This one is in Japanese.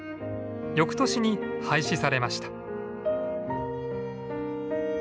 翌年に廃止されました。